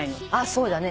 そうだね。